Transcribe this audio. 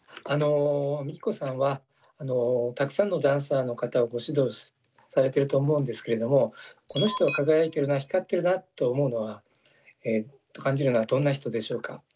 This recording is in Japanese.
ＭＩＫＩＫＯさんはたくさんのダンサーの方をご指導されてると思うんですけれどもこの人は輝いてるな光ってるなと思うのはと感じるのはどんな人でしょうか？